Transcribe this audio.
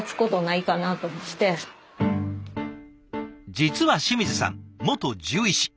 実は清水さん元獣医師。